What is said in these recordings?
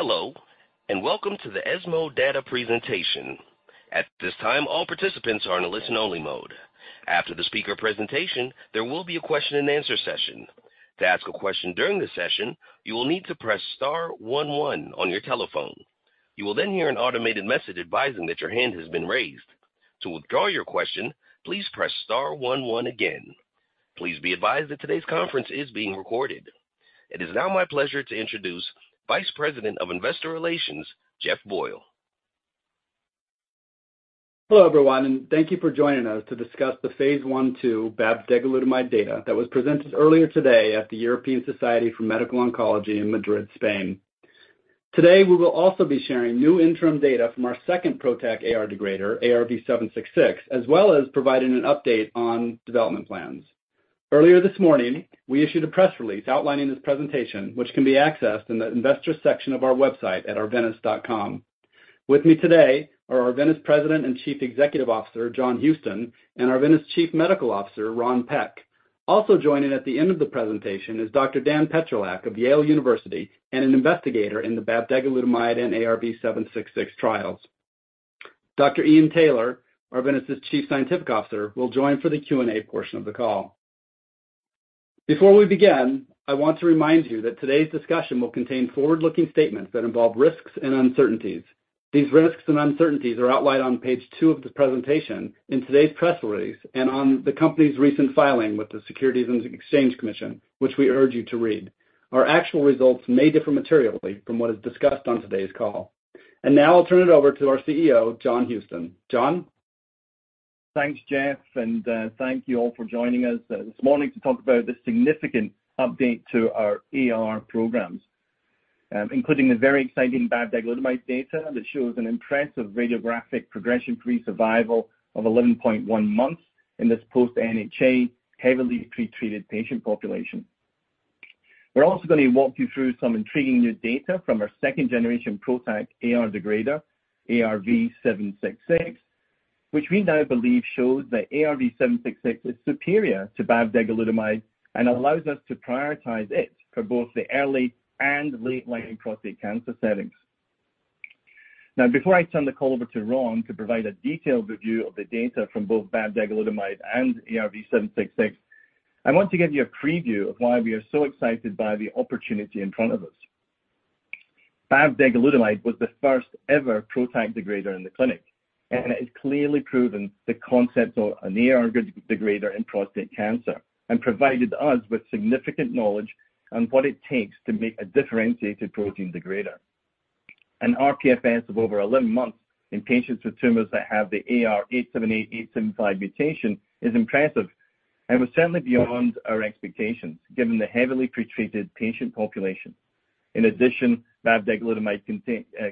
Hello, and welcome to the ESMO Data Presentation. At this time, all participants are in a listen-only mode. After the speaker presentation, there will be a question-and-answer session. To ask a question during the session, you will need to press Star one one on your telephone. You will then hear an automated message advising that your hand has been raised. To withdraw your question, please press Star one one again. Please be advised that today's conference is being recorded. It is now my pleasure to introduce Vice President of Investor Relations, Jeff Boyle. Hello, everyone, and thank you for joining us to discuss the phase I/II bavdegalutamide data that was presented earlier today at the European Society for Medical Oncology in Madrid, Spain. Today, we will also be sharing new interim data from our second PROTAC AR degrader, ARV-766, as well as providing an update on development plans. Earlier this morning, we issued a press release outlining this presentation, which can be accessed in the investor section of our website at arvinas.com. With me today are Arvinas President and Chief Executive Officer, John Houston, and Arvinas Chief Medical Officer, Ron Peck. Also joining at the end of the presentation is Dr. Daniel Petrylak of Yale University, and an investigator in the bavdegalutamide and ARV-766 trials. Dr. Ian Taylor, Arvinas's Chief Scientific Officer, will join for the Q&A portion of the call. Before we begin, I want to remind you that today's discussion will contain forward-looking statements that involve risks and uncertainties. These risks and uncertainties are outlined on Page 2 of this presentation, in today's press release, and on the company's recent filing with the Securities and Exchange Commission, which we urge you to read. Our actual results may differ materially from what is discussed on today's call. And now I'll turn it over to our CEO, John Houston. John? Thanks, Jeff, and thank you all for joining us this morning to talk about the significant update to our AR programs, including the very exciting bavdegalutamide data that shows an impressive radiographic progression-free survival of 11.1 months in this post NHA, heavily pretreated patient population. We're also going to walk you through some intriguing new data from our second-generation PROTAC AR degrader, ARV-766, which we now believe shows that ARV-766 is superior to bavdegalutamide and allows us to prioritize it for both the early and late-line prostate cancer settings. Now, before I turn the call over to Ron to provide a detailed review of the data from both bavdegalutamide and ARV-766, I want to give you a preview of why we are so excited by the opportunity in front of us. bavdegalutamide was the first ever PROTAC degrader in the clinic, and it has clearly proven the concept of an AR degrader in prostate cancer and provided us with significant knowledge on what it takes to make a differentiated protein degrader. An rPFS of over 11 months in patients with tumors that have the AR T878, H875 mutation is impressive and was certainly beyond our expectations, given the heavily pretreated patient population. In addition, bavdegalutamide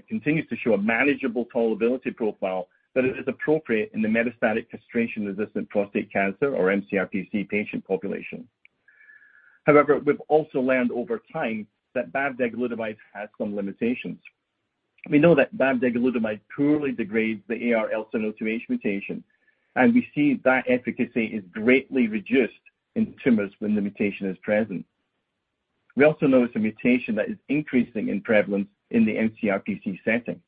continues to show a manageable tolerability profile that is appropriate in the metastatic castration-resistant prostate cancer, or mCRPC, patient population. However, we've also learned over time that bavdegalutamide has some limitations. We know that bavdegalutamide poorly degrades the AR L702H mutation, and we see that efficacy is greatly reduced in tumors when the mutation is present. We also know it's a mutation that is increasing in prevalence in the mCRPC setting.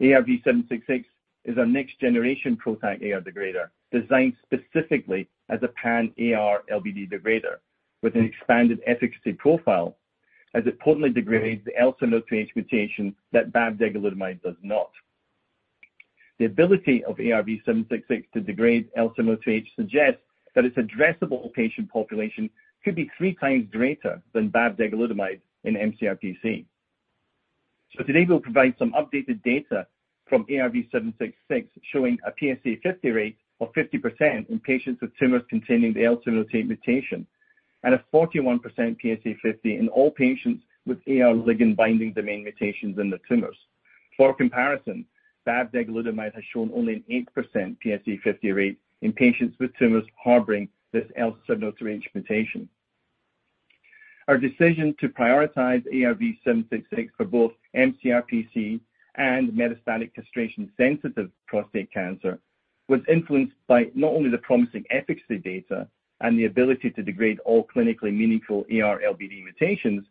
ARV-766 is our next generation PROTAC AR degrader, designed specifically as a pan-AR LBD degrader with an expanded efficacy profile, as it potently degrades the L702H mutation that bavdegalutamide does not. The ability of ARV-766 to degrade L702H suggests that its addressable patient population could be 3 times greater than bavdegalutamide in mCRPC. So today, we'll provide some updated data from ARV-766, showing a PSA50 rate of 50% in patients with tumors containing the L702H mutation, and a 41% PSA50 in all patients with AR ligand binding domain mutations in the tumors. For comparison, bavdegalutamide has shown only an 8% PSA50 rate in patients with tumors harboring this L702H mutation. Our decision to prioritize ARV-766 for both mCRPC and metastatic castration-sensitive prostate cancer was influenced by not only the promising efficacy data and the ability to degrade all clinically meaningful AR LBD mutations,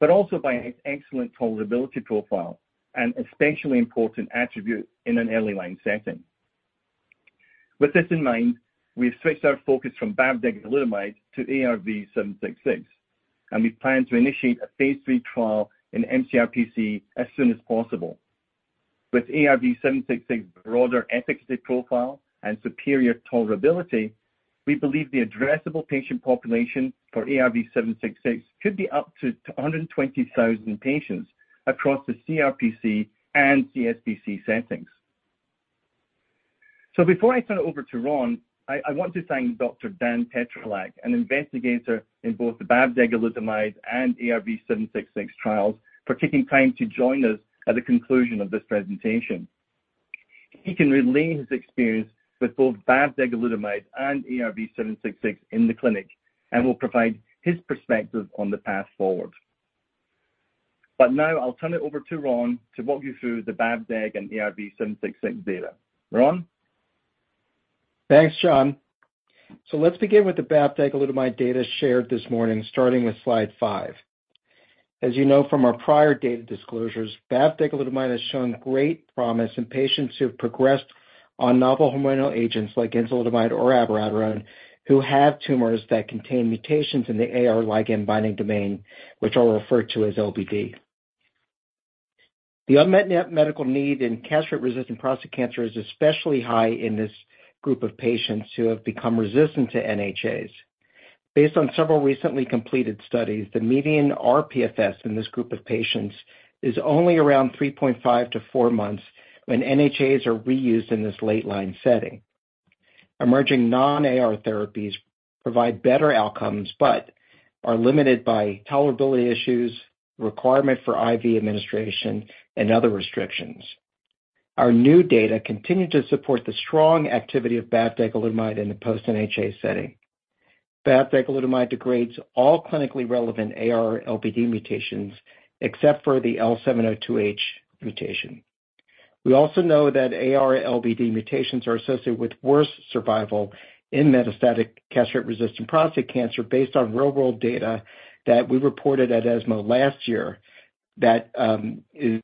but also by its excellent tolerability profile, an especially important attribute in an early line setting. With this in mind, we've switched our focus from bavdegalutamide to ARV-766, and we plan to initiate a phase III trial in mCRPC as soon as possible. With ARV-766's broader efficacy profile and superior tolerability, we believe the addressable patient population for ARV-766 could be up to 120,000 patients across the CRPC and CSPC settings. So before I turn it over to Ron, I want to thank Dr. Dan Petrylak, an investigator in both the bavdegalutamide and ARV-766 trials, for taking time to join us at the conclusion of this presentation. He can relay his experience with both bavdegalutamide and ARV-766 in the clinic and will provide his perspective on the path forward. But now I'll turn it over to Ron to walk you through the bavdegalutamide and ARV-766 data. Ron?... Thanks, John. So let's begin with the bavdegalutamide data shared this morning, starting with Slide 5. As you know from our prior data disclosures, bavdegalutamide has shown great promise in patients who have progressed on novel hormonal agents like enzalutamide or abiraterone, who have tumors that contain mutations in the AR ligand-binding domain, which I'll refer to as LBD. The unmet medical need in castration-resistant prostate cancer is especially high in this group of patients who have become resistant to NHAs. Based on several recently completed studies, the median rPFS in this group of patients is only around 3.5-4 months when NHAs are reused in this late-line setting. Emerging non-AR therapies provide better outcomes, but are limited by tolerability issues, requirement for IV administration, and other restrictions. Our new data continue to support the strong activity of bavdegalutamide in the post-NHA setting. bavdegalutamide degrades all clinically relevant AR-LBD mutations, except for the L702H mutation. We also know that AR-LBD mutations are associated with worse survival in metastatic castrate-resistant prostate cancer, based on real-world data that we reported at ESMO last year. That is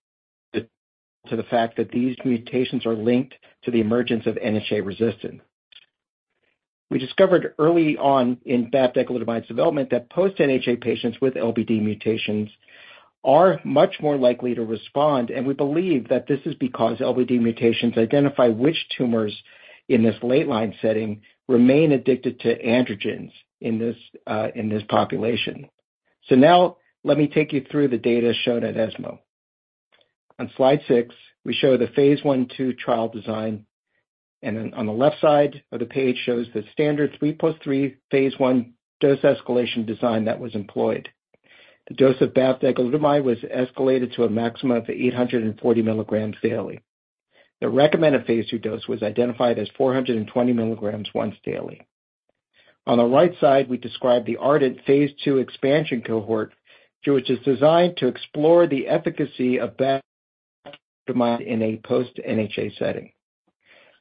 to the fact that these mutations are linked to the emergence of NHA RECIST. We discovered early on in bavdegalutamide's development that post-NHA patients with LBD mutations are much more likely to respond, and we believe that this is because LBD mutations identify which tumors in this late-line setting remain addicted to androgens in this population. So now let me take you through the data shown at ESMO. On Slide 6, we show the phase I/II trial design, and then on the left side of the page shows the standard 3 + 3 phase I dose escalation design that was employed. The dose of bavdegalutamide was escalated to a maximum of 840 mg daily. The recommended phase II dose was identified as 420 mg once daily. On the right side, we describe the ARDENT phase II expansion cohort, which is designed to explore the efficacy of bavdegalutamide in a post-NHA setting.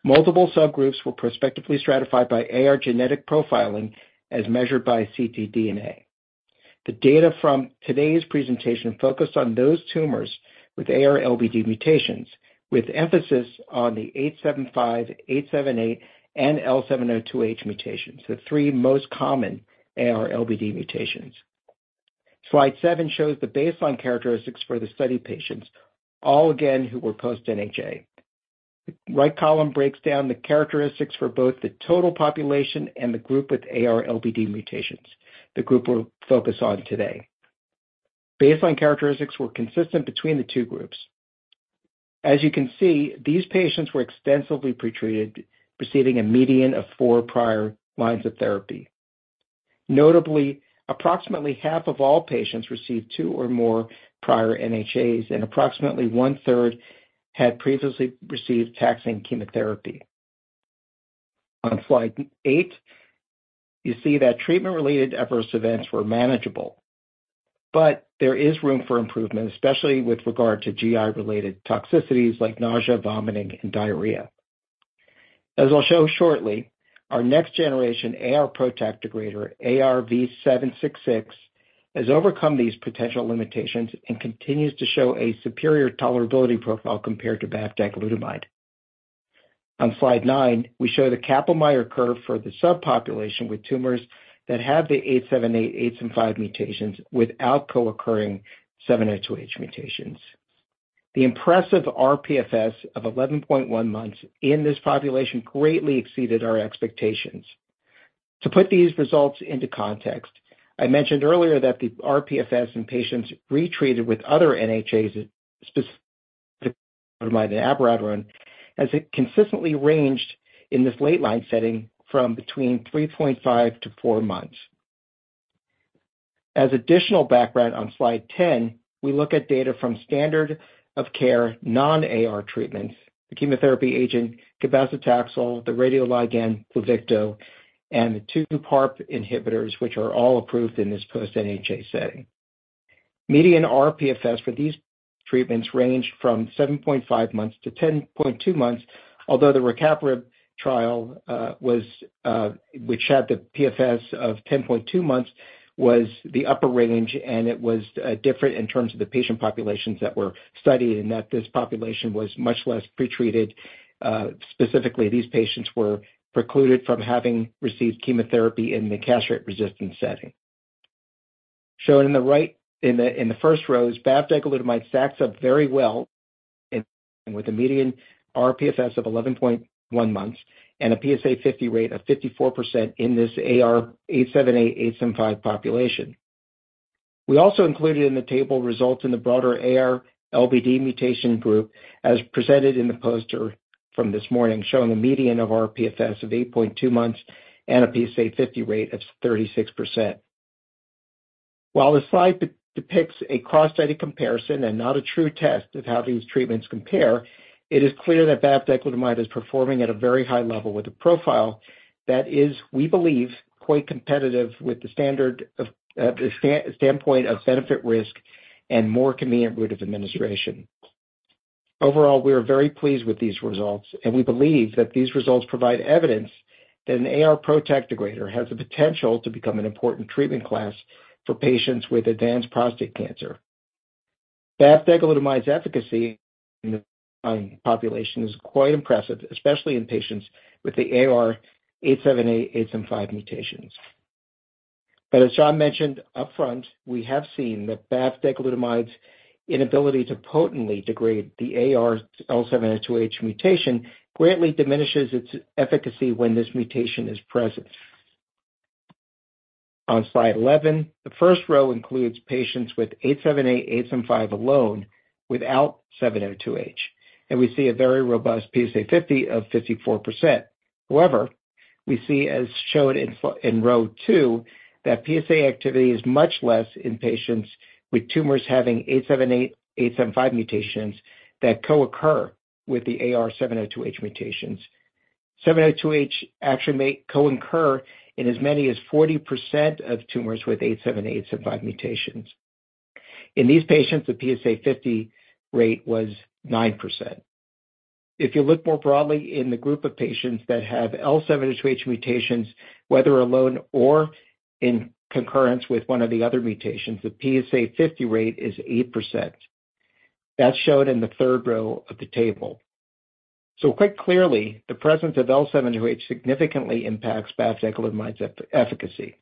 Multiple subgroups were prospectively stratified by AR genetic profiling as measured by ctDNA. The data from today's presentation focused on those tumors with AR-LBD mutations, with emphasis on the H875, T878, and L702H mutations, the three most common AR-LBD mutations. Slide 7 shows the baseline characteristics for the study patients, all again, who were post-NHA. The right column breaks down the characteristics for both the total population and the group with AR-LBD mutations, the group we'll focus on today. Baseline characteristics were consistent between the two groups. As you can see, these patients were extensively pretreated, receiving a median of 4 prior lines of therapy. Notably, approximately half of all patients received two or more prior NHAs, and approximately1/3 had previously received taxane chemotherapy. On Slide 8, you see that treatment-related adverse events were manageable, but there is room for improvement, especially with regard to GI-related toxicities like nausea, vomiting, and diarrhea. As I'll show shortly, our next generation AR PROTAC degrader, ARV-766, has overcome these potential limitations and continues to show a superior tolerability profile compared to bavdegalutamide. On Slide 9, we show the Kaplan-Meier curve for the subpopulation with tumors that have the T878, H875 mutations without co-occurring L702H mutations. The impressive rPFS of 11.1 months in this population greatly exceeded our expectations. To put these results into context, I mentioned earlier that the rPFS in patients retreated with other NHAs, specifically abiraterone, as it consistently ranged in this late-line setting from between 3.5-4 months. As additional background on Slide 10, we look at data from standard-of-care, non-AR treatments, the chemotherapy agent cabazitaxel, the radioligand Pluvicto, and the two PARP inhibitors, which are all approved in this post-NHA setting. Median rPFS for these treatments ranged from 7.5 months to 10.2 months, although the rucaparib trial was, which had the PFS of 10.2 months, was the upper range, and it was different in terms of the patient populations that were studied, in that this population was much less pretreated. Specifically, these patients were precluded from having received chemotherapy in the castration-resistant setting. Shown in the right, in the first row is bavdegalutamide stacks up very well with a median rPFS of 11.1 months and a PSA50 rate of 54% in this AR T878, H875 population. We also included in the table results in the broader AR-LBD mutation group, as presented in the poster from this morning, showing a median rPFS of 8.2 months and a PSA50 rate of 36%. While the slide depicts a cross-study comparison and not a true test of how these treatments compare, it is clear that bavdegalutamide is performing at a very high level with a profile that is, we believe, quite competitive with the standard standpoint of benefit, risk, and more convenient route of administration. Overall, we are very pleased with these results, and we believe that these results provide evidence that an AR protein degrader has the potential to become an important treatment class for patients with advanced prostate cancer. bavdegalutamide's efficacy in the population is quite impressive, especially in patients with the AR-878, 875 mutations. But as John mentioned upfront, we have seen that bavdegalutamide's inability to potently degrade the AR-L702H mutation greatly diminishes its efficacy when this mutation is present. On Slide 11, the first row includes patients with 878, 875 alone, without 702H, and we see a very robust PSA50 of 54%. However, we see, as shown in slide in row two, that PSA activity is much less in patients with tumors having 878, 875 mutations that co-occur with the AR L702H mutations. L702H actually may co-occur in as many as 40% of tumors with 878, 875 mutations. In these patients, the PSA50 rate was 9%. If you look more broadly in the group of patients that have L702H mutations, whether alone or in concurrence with one of the other mutations, the PSA50 rate is 8%. That's shown in the third row of the table. So quite clearly, the presence of L702H significantly impacts bavdegalutamide's efficacy.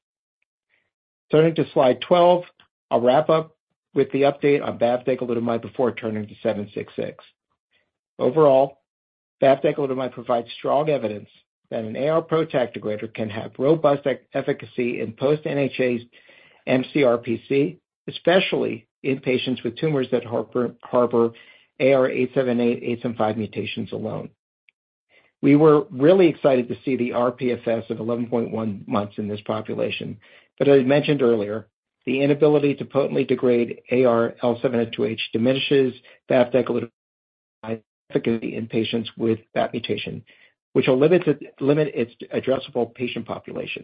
Turning to slide 12, I'll wrap up with the update on bavdegalutamide before turning to 766. Overall, bavdegalutamide provides strong evidence that an AR protein degrader can have robust efficacy in post-NHA mCRPC, especially in patients with tumors that harbor AR T878, H875 mutations alone. We were really excited to see the rPFS of 11.1 months in this population. But as I mentioned earlier, the inability to potently degrade AR L702H diminishes bavdegalutamide efficacy in patients with that mutation, which will limit it, limit its addressable patient population.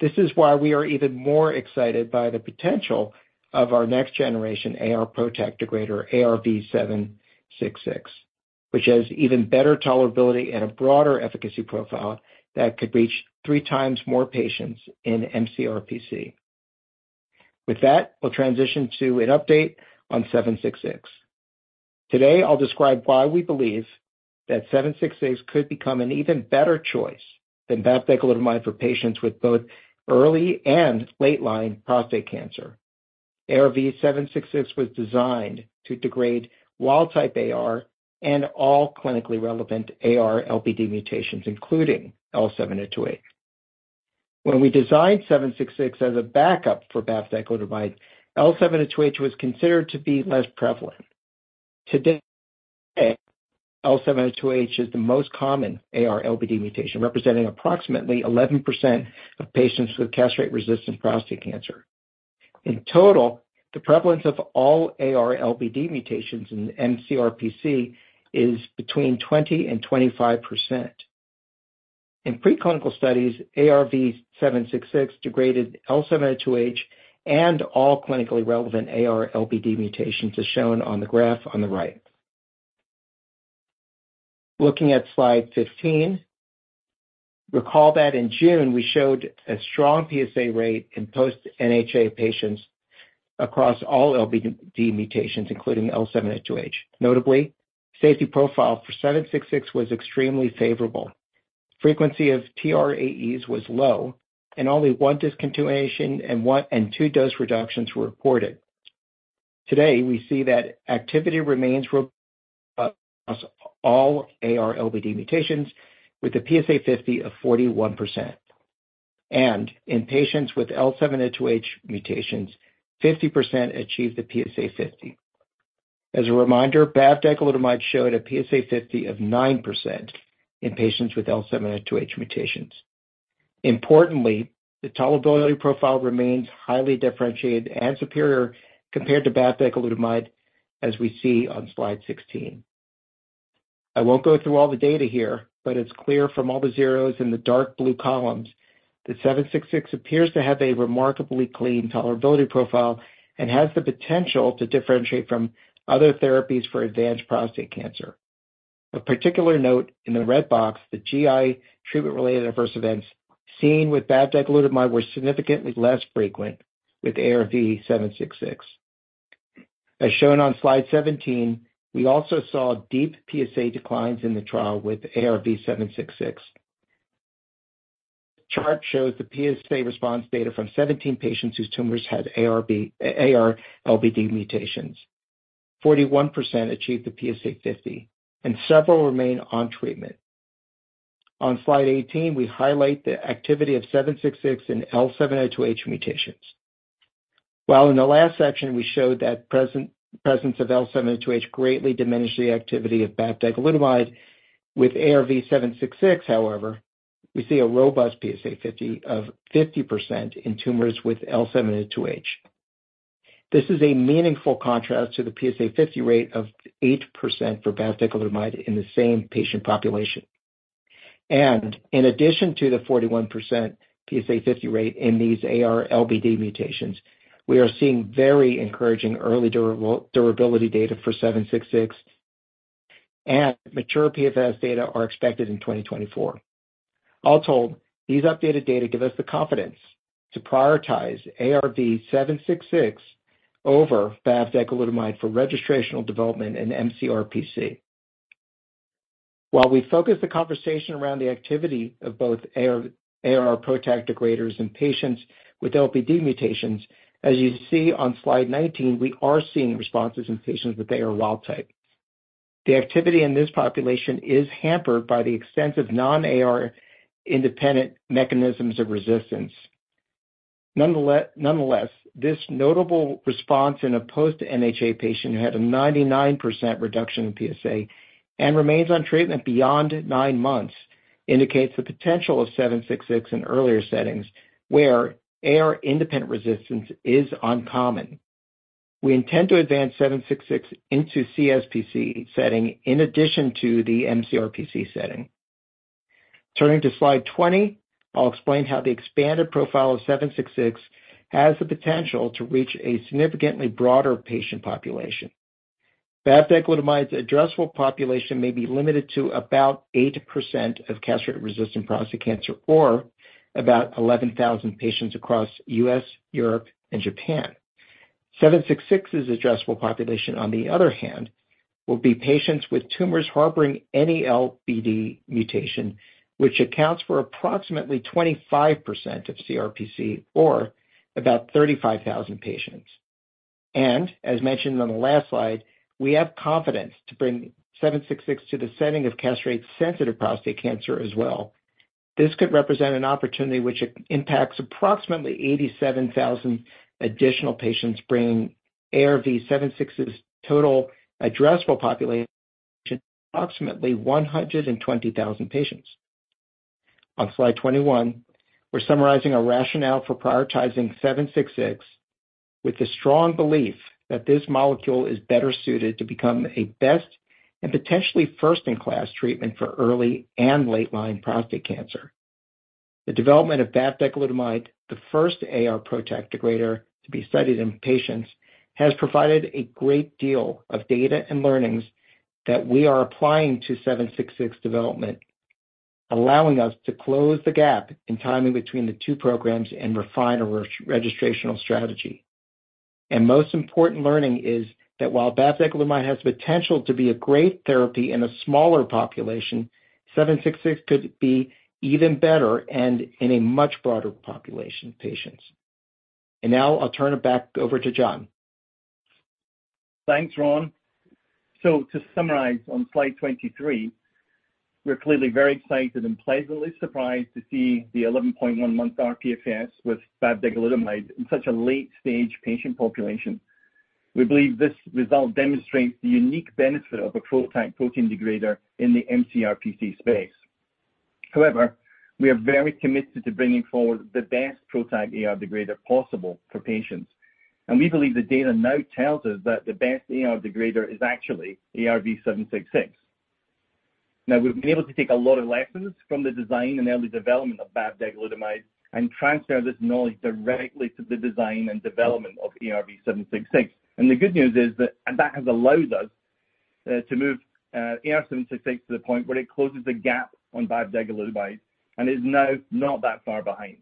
This is why we are even more excited by the potential of our next generation AR protein degrader, ARV-766, which has even better tolerability and a broader efficacy profile that could reach three times more patients in mCRPC. With that, we'll transition to an update on ARV-766. Today, I'll describe why we believe that ARV-766 could become an even better choice than bavdegalutamide for patients with both early and late-line prostate cancer. ARV-766 was designed to degrade wild-type AR and all clinically relevant AR LBD mutations, including L702H. When we designed ARV-766 as a backup for bavdegalutamide, L702H was considered to be less prevalent. Today, L702H is the most common AR LBD mutation, representing approximately 11% of patients with castration-resistant prostate cancer. In total, the prevalence of all AR LBD mutations in mCRPC is between 20%-25%. In preclinical studies, ARV-766 degraded L702H and all clinically relevant AR LBD mutations, as shown on the graph on the right. Looking at Slide 15, recall that in June, we showed a strong PSA rate in post-NHA patients across all LBD mutations, including L702H. Notably, safety profile for ARV-766 was extremely favorable. Frequency of TRAEs was low, and only one discontinuation and two dose reductions were reported. Today, we see that activity remains robust across all AR-LBD mutations, with a PSA50 of 41%. And in patients with L702H mutations, 50% achieved the PSA50. As a reminder, bavdegalutamide showed a PSA50 of 9% in patients with L702H mutations. Importantly, the tolerability profile remains highly differentiated and superior compared to bavdegalutamide, as we see on Slide 16. I won 't go through all the data here, but it's clear from all the zeros in the dark blue columns that 766 appears to have a remarkably clean tolerability profile and has the potential to differentiate from other therapies for advanced prostate cancer. Of particular note, in the red box, the GI treatment-related adverse events seen with bavdegalutamide were significantly less frequent with ARV-766. As shown on Slide 17, we also saw deep PSA declines in the trial with ARV-766. Chart shows the PSA response data from 17 patients whose tumors had AR-LBD mutations. 41% achieved the PSA50, and several remain on treatment. On Slide 18, we highlight the activity of 766 in L702H mutations. While in the last section, we showed that presence of L702H greatly diminished the activity of bavdegalutamide. With ARV-766, however, we see a robust PSA50 of 50% in tumors with L702H. This is a meaningful contrast to the PSA50 rate of 8% for bavdegalutamide in the same patient population. And in addition to the 41% PSA50 rate in these AR LBD mutations, we are seeing very encouraging early durability data for 766, and mature PFS data are expected in 2024. All told, these updated data give us the confidence to prioritize ARV-766 over bavdegalutamide for registrational development in mCRPC. While we focus the conversation around the activity of both AR, AR PROTAC degraders in patients with AR LBD mutations, as you see on Slide 19, we are seeing responses in patients with AR wild-type. The activity in this population is hampered by the extensive non-AR independent mechanisms ofRECIST. Nonetheless, this notable response in a post-NHA patient who had a 99% reduction in PSA and remains on treatment beyond 9 months, indicates the potential of ARV-766 in earlier settings, where AR independentRECIST is uncommon. We intend to advance ARV-766 into CSPC setting in addition to the mCRPC setting. Turning to Slide 20, I'll explain how the expanded profile of ARV-766 has the potential to reach a significantly broader patient population. bavdegalutamide's addressable population may be limited to about 8% of castrate-resistant prostate cancer, or about 11,000 patients across U.S., Europe, and Japan. 766 addressable population, on the other hand, will be patients with tumors harboring any LBD mutation, which accounts for approximately 25% of CRPC, or about 35,000 patients. As mentioned on the last slide, we have confidence to bring 766 to the setting of castrate-sensitive prostate cancer as well. This could represent an opportunity which impacts approximately 87,000 additional patients, bringing ARV-766's total addressable population to approximately 120,000 patients. On Slide 21, we're summarizing our rationale for prioritizing 766 with the strong belief that this molecule is better suited to become a best and potentially first-in-class treatment for early and late-line prostate cancer. The development of bavdegalutamide, the first AR PROTAC degrader to be studied in patients, has provided a great deal of data and learnings that we are applying to 766 development, allowing us to close the gap in timing between the two programs and refine our registrational strategy. Most important learning is that while bavdegalutamide has potential to be a great therapy in a smaller population, 766 could be even better and in a much broader population of patients. Now I'll turn it back over to John. Thanks, Ron. So to summarize on Slide 23, we're clearly very excited and pleasantly surprised to see the 11.1-month rPFS with bavdegalutamide in such a late-stage patient population. We believe this result demonstrates the unique benefit of a PROTAC protein degrader in the mCRPC space. However, we are very committed to bringing forward the best PROTAC AR degrader possible for patients, and we believe the data now tells us that the best AR degrader is actually ARV-766. Now, we've been able to take a lot of lessons from the design and early development of bavdegalutamide and transfer this knowledge directly to the design and development of ARV-766. And the good news is that, and that has allowed us to move ARV-766 to the point where it closes the gap on bavdegalutamide and is now not that far behind,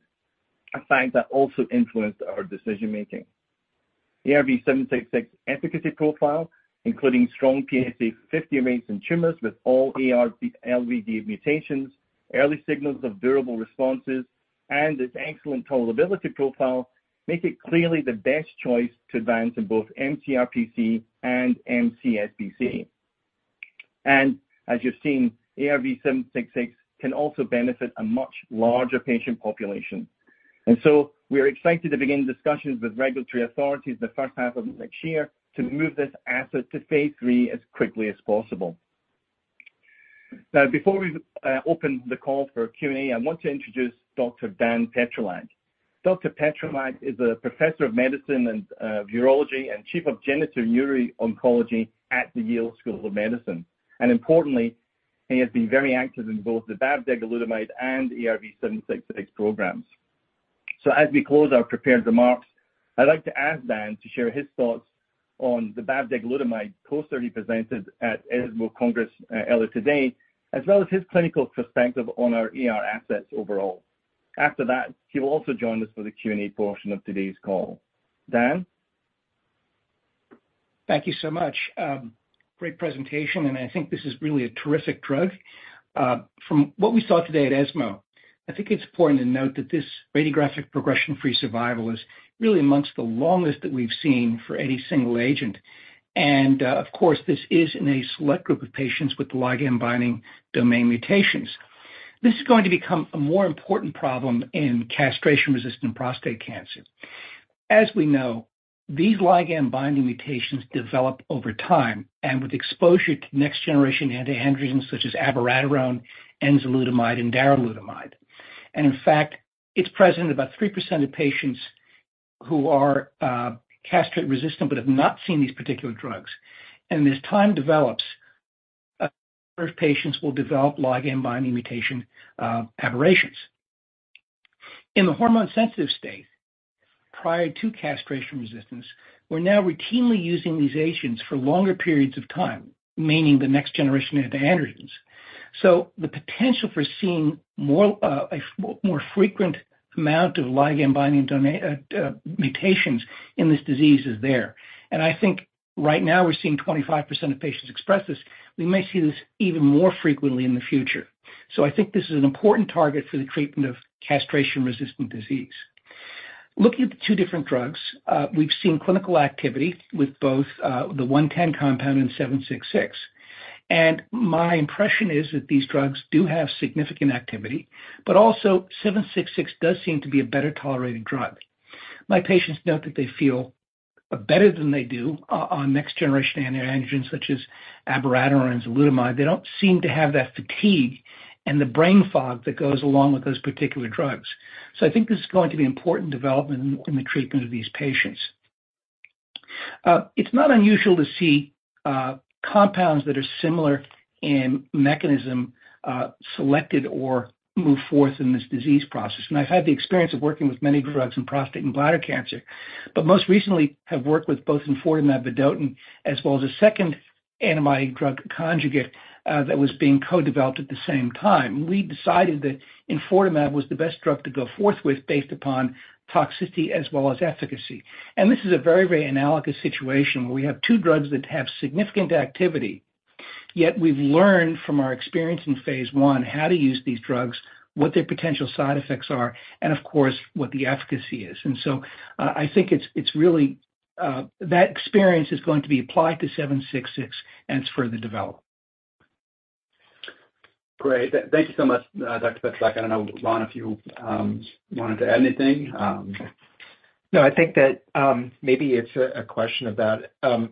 a fact that also influenced our decision-making. ARV-766 efficacy profile, including strong PSA50, remains in tumors with all AR LBD mutations, early signals of durable responses, and its excellent tolerability profile, make it clearly the best choice to advance in both mCRPC and mCSPC. And as you've seen, ARV-766 can also benefit a much larger patient population. And so we are excited to begin discussions with regulatory authorities in the first half of next year to move this asset to phase III as quickly as possible. Now, before we open the call for Q&A, I want to introduce Dr. Dan Petrylak. Dr. Petrylak is a Professor of Medicine and Urology and Chief of Genitourinary Oncology at the Yale School of Medicine. And importantly, he has been very active in both the bavdegalutamide and ARV-766 programs. So as we close our prepared remarks, I'd like to ask Dan to share his thoughts on the bavdegalutamide poster he presented at ESMO Congress earlier today, as well as his clinical perspective on our AR assets overall. After that, he will also join us for the Q&A portion of today's call. Dan? Thank you so much. Great presentation, and I think this is really a terrific drug. From what we saw today at ESMO, I think it's important to note that this radiographic progression-free survival is really amongst the longest that we've seen for any single agent. And, of course, this is in a select group of patients with ligand binding domain mutations. This is going to become a more important problem in castration-resistant prostate cancer. As we know, these ligand binding mutations develop over time, and with exposure to next generation anti-androgens, such as abiraterone, enzalutamide, and darolutamide... And in fact, it's present in about 3% of patients who are castrate resistant, but have not seen these particular drugs. And as time develops, a number of patients will develop ligand binding mutation aberrations. In the hormone-sensitive state, prior to castrationRECIST, we're now routinely using these agents for longer periods of time, meaning the next generation of androgens. So the potential for seeing more, a more frequent amount of ligand-binding domain mutations in this disease is there. And I think right now we're seeing 25% of patients express this. We may see this even more frequently in the future. So I think this is an important target for the treatment of castration-resistant disease. Looking at the two different drugs, we've seen clinical activity with both, the 110 compound and 766. And my impression is that these drugs do have significant activity, but also 766 does seem to be a better-tolerated drug. My patients note that they feel better than they do on next generation anti-androgens, such as abiraterone and enzalutamide. They don't seem to have that fatigue and the brain fog that goes along with those particular drugs. So I think this is going to be an important development in the treatment of these patients. It's not unusual to see compounds that are similar in mechanism selected or move forth in this disease process. And I've had the experience of working with many drugs in prostate and bladder cancer, but most recently have worked with both enfortumab vedotin, as well as a second antibody drug conjugate that was being co-developed at the same time. We decided that enfortumab was the best drug to go forth with, based upon toxicity as well as efficacy. And this is a very, very analogous situation, where we have two drugs that have significant activity, yet we've learned from our experience in phase I how to use these drugs, what their potential side effects are, and of course, what the efficacy is. And so, I think it's really that experience is going to be applied to 766, and it's further developed. Great. Thank you so much, Dr. Petrylak. I don't know, Ron, if you wanted to add anything? No, I think that maybe it's a question about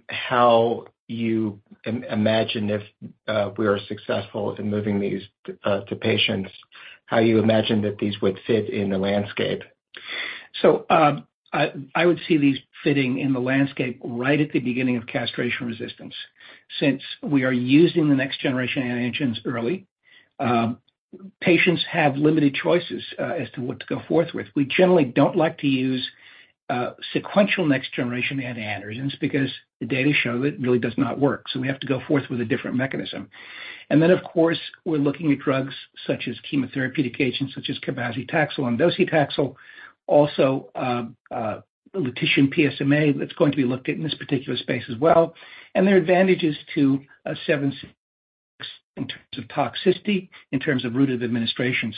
how you imagine if we are successful in moving these to patients, how you imagine that these would fit in the landscape. I would see these fitting in the landscape right at the beginning of castrationRECIST. Since we are using the next generation anti-androgens early, patients have limited choices as to what to go forth with. We generally don't like to use sequential next generation anti-androgens because the data show it really does not work, so we have to go forth with a different mechanism. Of course, we're looking at drugs such as chemotherapy agents, such as cabazitaxel and docetaxel, also lutetium PSMA, that's going to be looked at in this particular space as well. There are advantages to 766 in terms of toxicity, in terms of route of administration.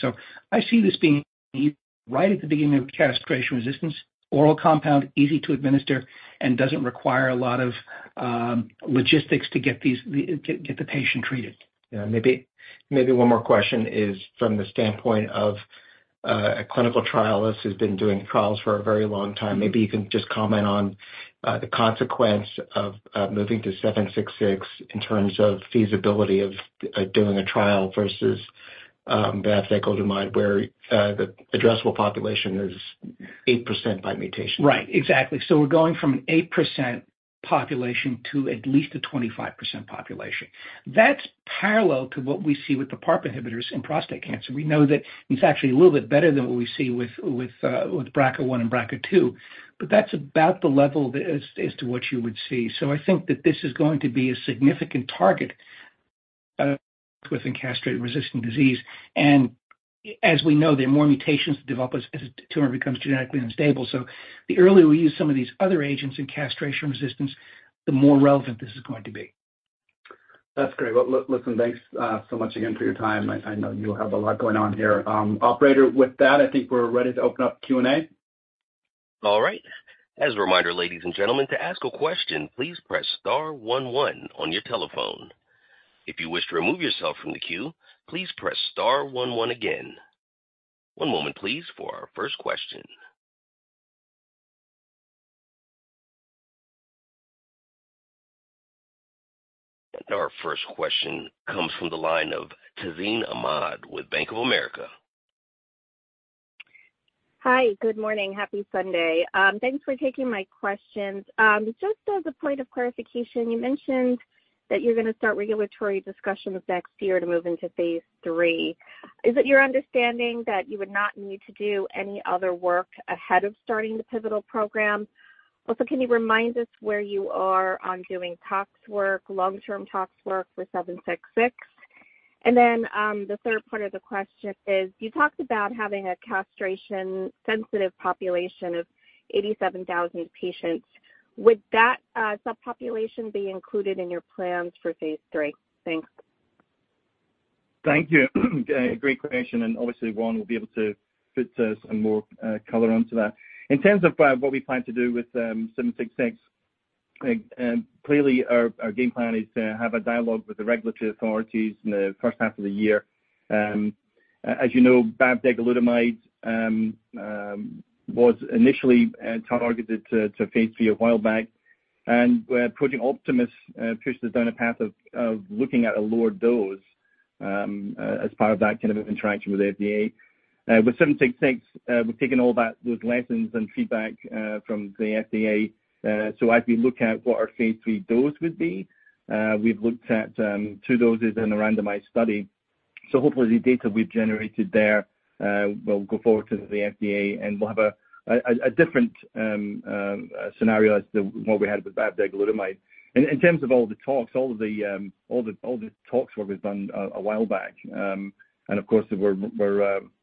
I see this being right at the beginning of castrationRECIST, oral compound, easy to administer, and doesn't require a lot of logistics to get the patient treated. Yeah. Maybe, maybe one more question is from the standpoint of, a clinical trialist who's been doing trials for a very long time. Maybe you can just comment on, the consequence of, moving to 766 in terms of feasibility of, doing a trial versus, bavdegalutamide, where, the addressable population is 8% by mutation. Right. Exactly. So we're going from an 8% population to at least a 25% population. That's parallel to what we see with the PARP inhibitors in prostate cancer. We know that it's actually a little bit better than what we see with, with, with BRCA1 and BRCA2, but that's about the level as, as to what you would see. So I think that this is going to be a significant target within castration-resistant disease. And as we know, there are more mutations that develop as, as a tumor becomes genetically unstable. So the earlier we use some of these other agents in castrationRECIST, the more relevant this is going to be. That's great. Well, listen, thanks so much again for your time. I know you have a lot going on here. Operator, with that, I think we're ready to open up Q&A. All right. As a reminder, ladies and gentlemen, to ask a question, please press Star one one on your telephone. If you wish to remove yourself from the queue, please press Star one one again. One moment, please, for our first question. Our first question comes from the line of Tazeen Ahmad with Bank of America. Hi, good morning. Happy Sunday. Thanks for taking my questions. Just as a point of clarification, you mentioned that you're gonna start regulatory discussions next year to move into phase III. Is it your understanding that you would not need to do any other work ahead of starting the pivotal program? Also, can you remind us where you are on doing tox work, long-term tox work with 766? And then, the third part of the question is, you talked about having a castration-sensitive population of 87,000 patients. Would that subpopulation be included in your plans for phase III? Thanks. Thank you. Great question, and obviously, Ron will be able to put some more color onto that. In terms of what we plan to do with 766, clearly our game plan is to have a dialogue with the regulatory authorities in the first half of the year. As you know, bavdegalutamide was initially targeted to phase III a while back. And we're putting Project Optimus pushes down a path of looking at a lower dose as part of that kind of interaction with the FDA. With 766, we've taken all those lessons and feedback from the FDA. So as we look at what our phase III dose would be, we've looked at 2 doses in a randomized study. So hopefully, the data we've generated there will go forward to the FDA, and we'll have a different scenario as to what we had with bavdegalutamide. In terms of all the talks where we've done a while back, and of course, we're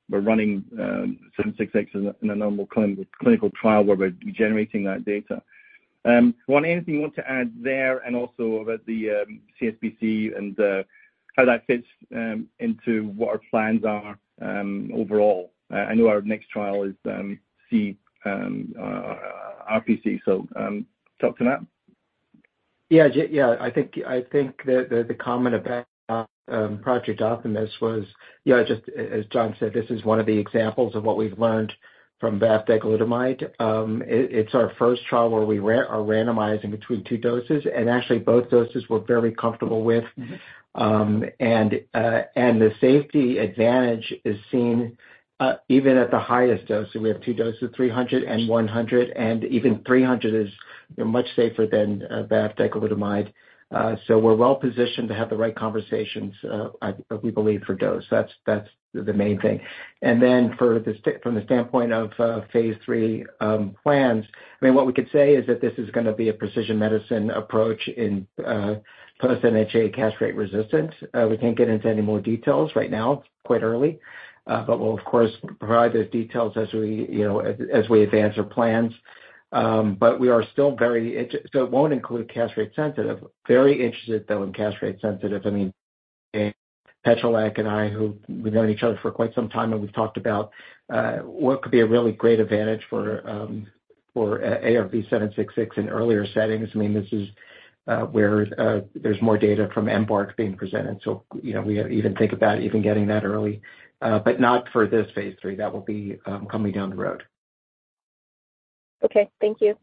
running ARV-766 in a normal clinical trial where we're generating that data. Ron, anything you want to add there, and also about the CSPC and how that fits into what our plans are overall? I know our next trial is CRPC, so talk to that. Yeah, yeah, I think that the comment about Project Optimus was, you know, just as John said, this is one of the examples of what we've learned from bavdegalutamide. It's our first trial where we are randomizing between two doses, and actually both doses we're very comfortable with. Mm-hmm. The safety advantage is seen even at the highest dose. So we have two doses, 300 and 100, and even 300 is, you know, much safer than bavdegalutamide. So we're well positioned to have the right conversations, we believe, for dose. That's the main thing. And then from the standpoint of phase III plans, I mean, what we could say is that this is gonna be a precision medicine approach in first-line mCRPCRECIST. We can't get into any more details right now. It's quite early, but we'll of course provide those details as we, you know, as we advance our plans. But we are still very interested, so it won't include castrate-sensitive. Very interested, though, in castrate-sensitive. I mean, Petrylak and I, who we've known each other for quite some time, and we've talked about what could be a really great advantage for ARV-766 in earlier settings. I mean, this is where there's more data from mCRPC being presented. So, you know, we even think about even getting that early, but not for this phase III. That will be coming down the road. Okay. Thank you.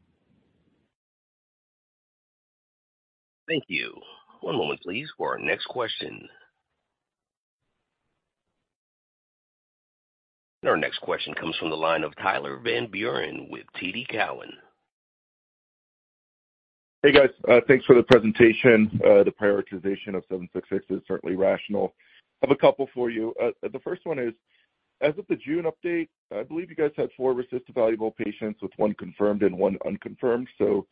Thank you. One moment, please, for our next question. Our next question comes from the line of Tyler Van Buren with TD Cowen. Hey, guys. Thanks for the presentation. The prioritization of 766 is certainly rational. I have a couple for you. The first one is, as of the June update, I believe you guys had four RECIST evaluable patients with one confirmed and one unconfirmed. So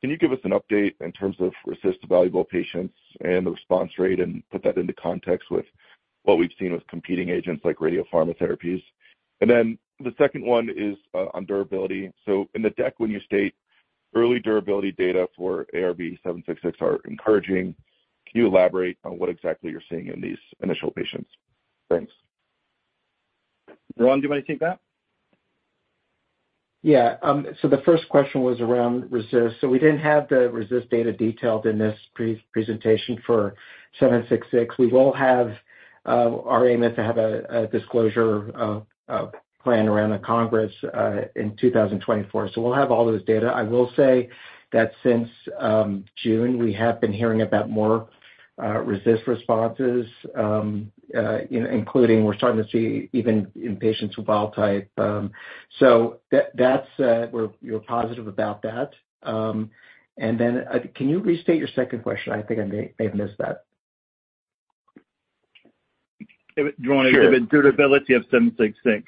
can you give us an update in terms of RECIST evaluable patients and the response rate, and put that into context with what we've seen with competing agents like radiopharma therapies? And then the second one is, on durability. So in the deck, when you state early durability data for ARV-766 are encouraging, can you elaborate on what exactly you're seeing in these initial patients? Thanks. Ron, do you wanna take that? Yeah, so the first question was aroundRECIST. So we didn't have theRECIST data detailed in this pre-presentastion for 766. We will have, our aim is to have a disclosure plan around the Congress in 2024. So we'll have all those data. I will say that since June, we have been hearing about moreRECIST responses, including we're starting to see even in patients with wild-type. So that's, we're positive about that. And then, can you restate your second question? I think I may have missed that. It was around- Sure. the durability of 766.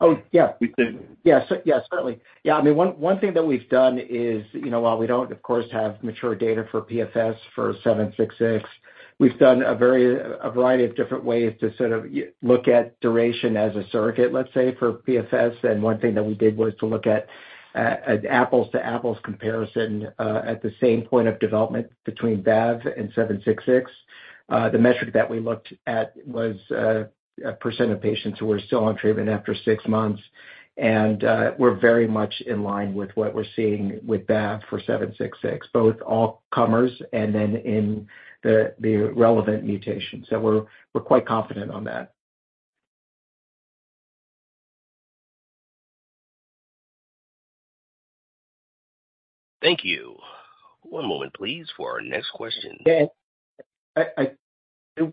Oh, yeah. We said- Yeah, so yeah, certainly. Yeah, I mean, one thing that we've done is, you know, while we don't, of course, have mature data for PFS for 766, we've done a variety of different ways to sort of look at duration as a surrogate, let's say, for PFS. And one thing that we did was to look at an apples to apples comparison at the same point of development between bav and 766. The metric that we looked at was a percent of patients who were still on treatment after six months, and we're very much in line with what we're seeing with bav for 766, both all comers and then in the relevant mutations. So we're quite confident on that. Thank you. One moment, please, for our next question. Dan, in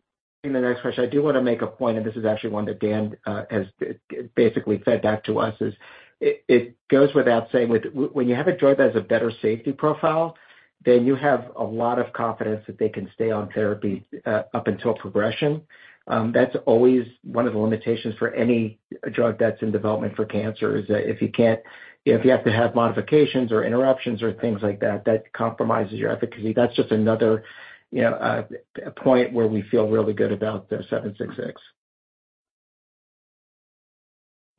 the next question, I do wanna make a point, and this is actually one that Dan has basically fed back to us, is that it goes without saying, when you have a drug that has a better safety profile, then you have a lot of confidence that they can stay on therapy up until progression. That's always one of the limitations for any drug that's in development for cancer, is that if you can't, if you have to have modifications or interruptions or things like that, that compromises your efficacy. That's just another, you know, point where we feel really good about the 766.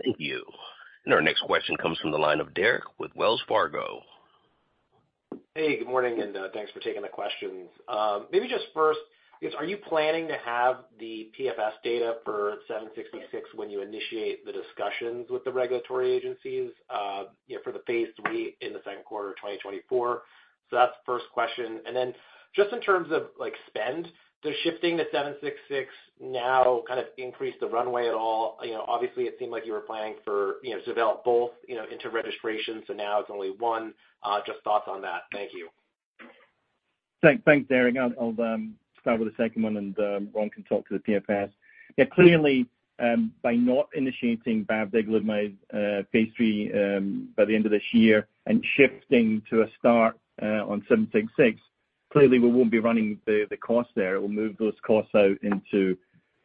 Thank you. And our next question comes from the line of Derek with Wells Fargo. Hey, good morning, and, thanks for taking the questions. Maybe just first, are you planning to have the PFS data for ARV-766 when you initiate the discussions with the regulatory agencies, you know, for the phase III in the second quarter of 2024? So that's the first question. And then just in terms of, like, spend, does shifting to 766 now kind of increase the runway at all? You know, obviously, it seemed like you were planning for, you know, to develop both, you know, into registration, so now it's only one. Just thoughts on that. Thank you. Thanks, thanks, Derek. I'll start with the second one, and Ron can talk to the PFS. Yeah, clearly, by not initiating bavdegalutamide phase III by the end of this year and shifting to a start on 766, clearly, we won't be running the costs there. It will move those costs out into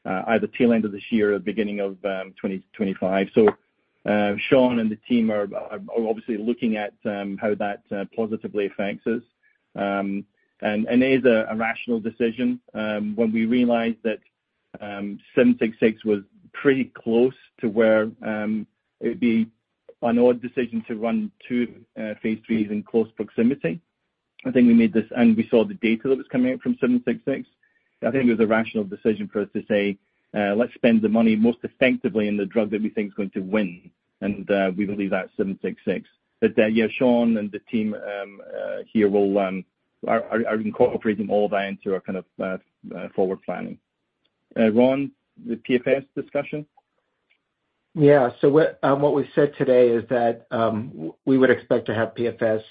either tail end of this year or beginning of 2025. So, Sean and the team are obviously looking at how that positively affects us. And it is a rational decision. When we realized that 766 was pretty close to where it would be an odd decision to run two phase IIIs in close proximity, I think we made this and we saw the data that was coming out from 766. I think it was a rational decision for us to say, Let's spend the money most effectively in the drug that we think is going to win and we believe that's 766. But yeah, Sean and the team here are incorporating all that into our kind of forward planning. Ron, the PFS discussion? Yeah. So what we said today is that we would expect to have PFS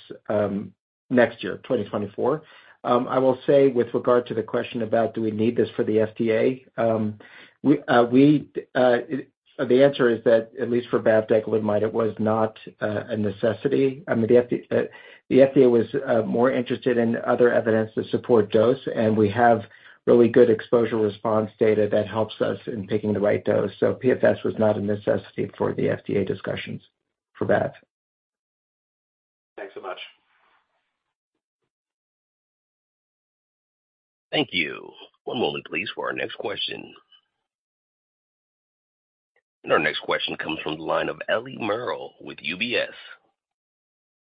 next year, 2024. I will say, with regard to the question about do we need this for the FDA, we, the answer is that at least for bavdegalutamide, it was not a necessity. I mean, the FDA was more interested in other evidence to support dose, and we have really good exposure response data that helps us in picking the right dose. So PFS was not a necessity for the FDA discussions for bavdegalutamide. Thanks so much. Thank you. One moment, please, for our next question. Our next question comes from the line of Eliana Merle with UBS.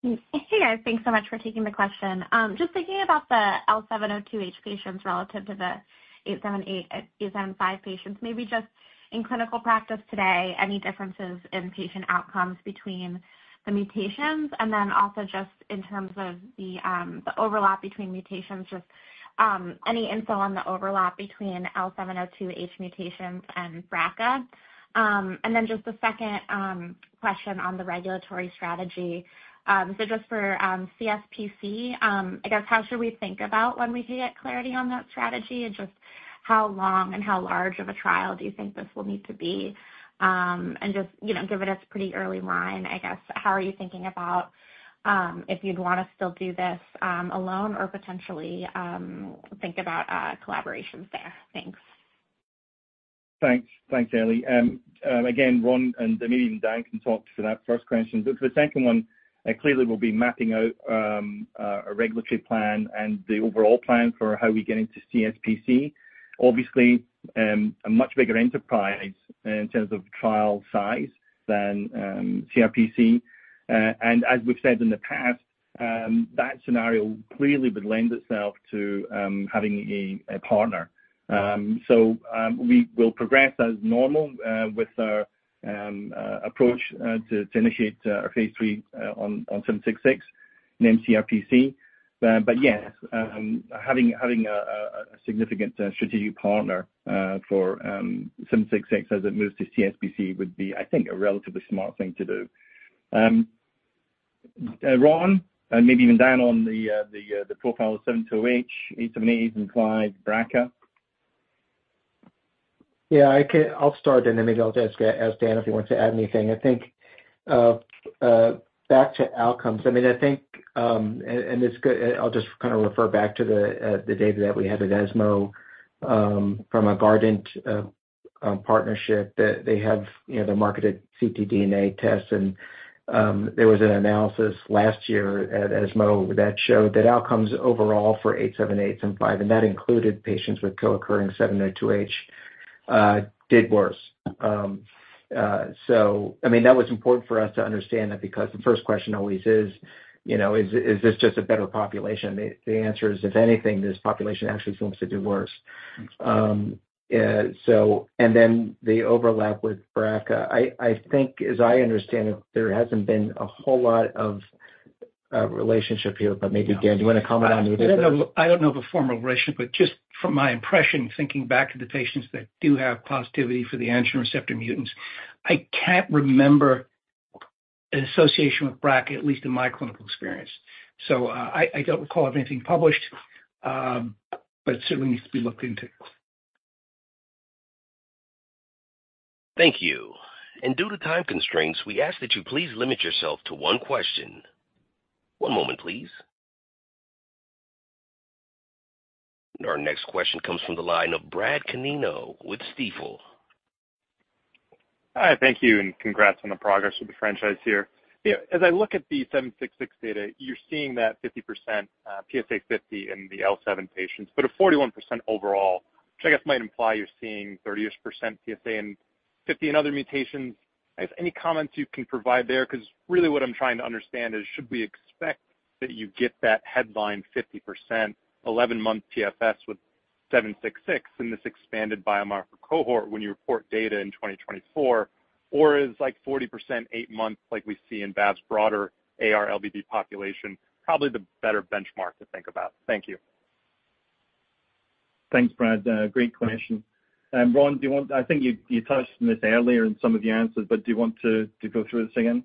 Hey, guys. Thanks so much for taking the question. Just thinking about the L702H patients relative to the T878, H875 patients, maybe just in clinical practice today, any differences in patient outcomes between the mutations? And then also just in terms of the overlap between mutations, just any info on the overlap between L702H mutations and BRCA? And then just a second question on the regulatory strategy. So just for CSPC, I guess, how should we think about when we could get clarity on that strategy? And just how long and how large of a trial do you think this will need to be? Just, you know, given it's pretty early line, I guess, how are you thinking about if you'd wanna still do this alone or potentially think about collaborations there? Thanks. Thanks. Thanks, Ellie. Again, Ron, and maybe even Dan, can talk to that first question. But for the second one, clearly we'll be mapping out a regulatory plan and the overall plan for how we get into CSPC. Obviously, a much bigger enterprise in terms of trial size than CRPC. And as we've said in the past, that scenario clearly would lend itself to having a partner. So, we will progress as normal with our approach to initiate our phase III on 766 in CRPC. But yeah, having a significant strategic partner for 766 as it moves to CSPC would be, I think, a relatively smart thing to do. Ron, and maybe even Dan, on the profile of L702H, T878, H875, BRCA. Yeah, I can... I'll start, and then maybe I'll just ask Dan if he wants to add anything. I think back to outcomes, I mean, I think, and it's good—I'll just kind of refer back to the data that we had at ESMO from a Guardant partnership that they have, you know, their marketed ctDNA tests. And there was an analysis last year at ESMO that showed that outcomes overall for T878, H875, and that included patients with co-occurring L702H did worse. So I mean, that was important for us to understand that because the first question always is, you know: Is this just a better population? The answer is, if anything, this population actually seems to do worse. So... Then the overlap with BRCA, I think, as I understand it, there hasn't been a whole lot of relationship here, but maybe, Dan, do you wanna comment on this? I don't know, I don't know of a formal relationship, but just from my impression, thinking back to the patients that do have positivity for the androgen receptor mutants, I can't remember an association with BRCA, at least in my clinical experience. So, I don't recall of anything published, but it certainly needs to be looked into. Thank you. And due to time constraints, we ask that you please limit yourself to one question. One moment, please. Our next question comes from the line of Brad Canino with Stifel. Hi, thank you, and congrats on the progress of the franchise here. You know, as I look at the 766 data, you're seeing that 50%, PSA50 in the L7 patients, but a 41% overall, which I guess might imply you're seeing 30-ish% PSA50 in other mutations. I guess, any comments you can provide there? 'Cause really what I'm trying to understand is, should we expect that you get that headline 50%, 11-month PFS with 766 in this expanded biomarker cohort when you report data in 2024? Or is like 40%, 8 months, like we see in bav's broader AR-LBD population, probably the better benchmark to think about? Thank you. Thanks, Brad. Great question. And Ron, do you want, I think you, you touched on this earlier in some of the answers, but do you want to, to go through this again?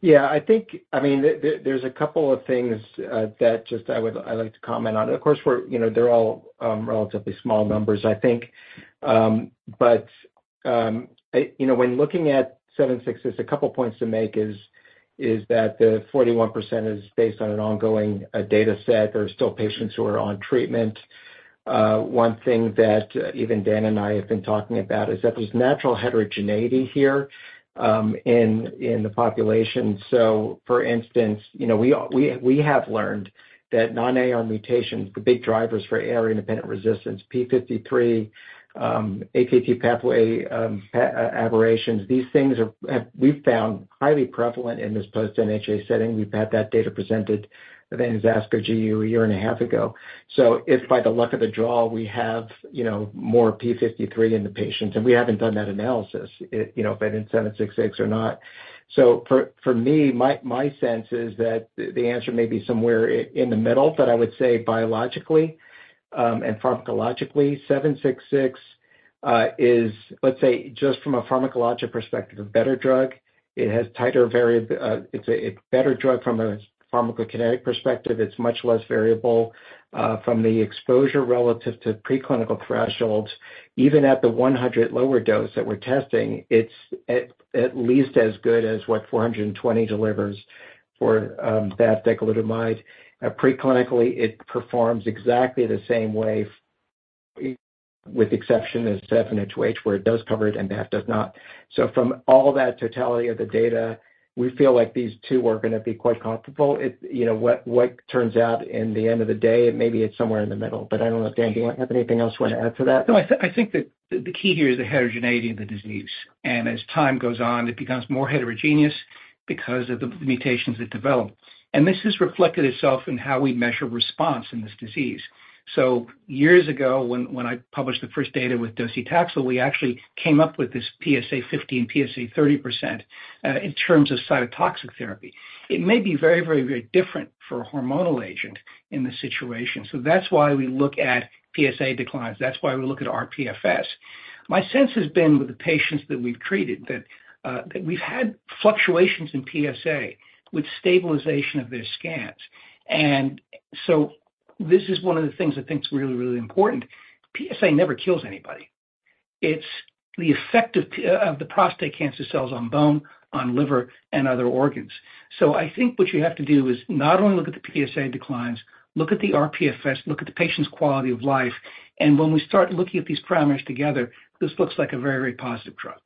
Yeah, I think, I mean, there, there's a couple of things that just I would, I'd like to comment on. Of course, we're, you know, they're all relatively small numbers, I think. You know, when looking at 766, there's a couple points to make is that the 41% is based on an ongoing data set. There are still patients who are on treatment. One thing that even Dan and I have been talking about is that there's natural heterogeneity here in the population. So for instance, you know, we have learned that non-AR mutations, the big drivers for AR-independentRECIST, p53, AKT pathway, aberrations, these things are, have—we've found highly prevalent in this post-NHA setting. We've had that data presented at ASCO GU a year and a half ago. So if by the luck of the draw, we have, you know, more p53 in the patients, and we haven't done that analysis, it, you know, if in 766 or not. So for me, my sense is that the answer may be somewhere in the middle. But I would say biologically, and pharmacologically, 766 is, let's say, just from a pharmacologic perspective, a better drug. It has tighter variability—it's a better drug from a pharmacokinetic perspective. It's much less variable from the exposure relative to preclinical thresholds. Even at the 100 lower dose that we're testing, it's at least as good as what 420 delivers for bavdegalutamide. Preclinically, it performs exactly the same way with exception as L702H, where it does cover it and bav does not. So from all that totality of the data, we feel like these two are gonna be quite comfortable. You know, what turns out in the end of the day, maybe it's somewhere in the middle, but I don't know. Dan, do you have anything else you want to add to that? No, I think that the key here is the heterogeneity of the disease, and as time goes on, it becomes more heterogeneous because of the mutations that develop. And this has reflected itself in how we measure response in this disease. So years ago, when I published the first data with docetaxel, we actually came up with this PSA 50, PSA 30%, in terms of cytotoxic therapy. It may be very, very, very different for a hormonal agent in this situation. So that's why we look at PSA declines. That's why we look at RPFS. My sense has been with the patients that we've treated, that we've had fluctuations in PSA with stabilization of their scans. And so this is one of the things I think is really, really important. PSA never kills anybody. It's the effect of the prostate cancer cells on bone, on liver, and other organs. So I think what you have to do is not only look at the PSA declines, look at the rPFS, look at the patient's quality of life, and when we start looking at these parameters together, this looks like a very, very positive drug.